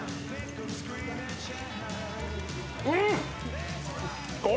うん！